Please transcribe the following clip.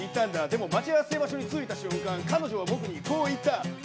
でも、待ち合わせ場所に着いた瞬間、彼女は僕にこう言った。